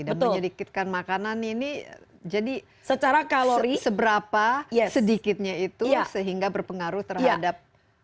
dan menyedikitkan makanan ini jadi seberapa sedikitnya itu sehingga berpengaruh terhadap